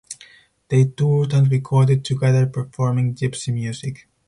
They toured and recorded together performing Gypsy music.